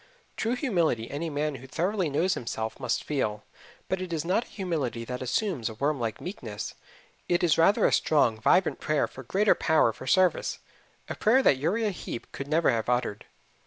True humility any man who thoroughly knows himself must feel; but it is not a humility that assumes a worm like meekness; it is rather a strong, vibrant prayer for greater power for service a prayer that Uriah Heep could never have uttered.